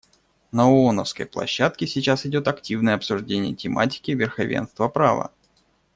На ооновской площадке сейчас идет активное обсуждение тематики верховенства права.